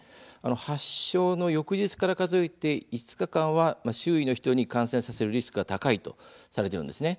発症の翌日から数えて５日間は周囲の人に感染させるリスクが高いとされています。